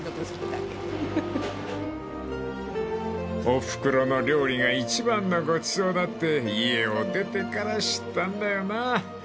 ［おふくろの料理が一番のごちそうだって家を出てから知ったんだよな］